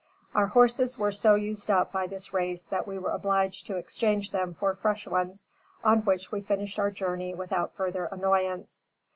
Our horses were so used up by this race that we were obliged to exchange them for fresh ones, on which we finished our journey without further annoyance.